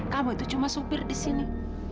kamu tuh cuma sopir di sini